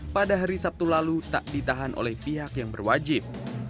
pada hari sabtu lalu tak ditahan oleh pihak yang berwajib